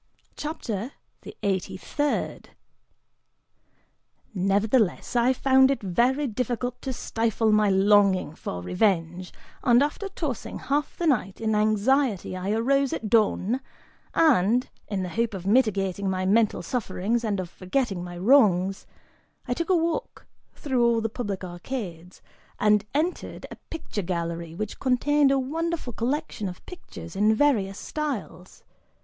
CHAPTER THE EIGHTY THIRD. (Nevertheless, I found it very difficult to stifle my longing for revenge, and after tossing half the night in anxiety, I arose at dawn and, in the hope of mitigating my mental sufferings and of forgetting my wrongs, I took a walk through all the public arcades and) entered a picture gallery, which contained a wonderful collection of pictures in various styles.